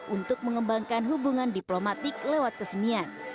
untuk mengembangkan hubungan diplomatik lewat kesenian